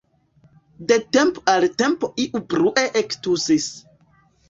De tempo al tempo iu brue ektusis.